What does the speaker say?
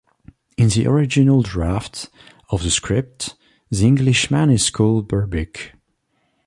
In the original draft of the script, the Englishman is called Berbick.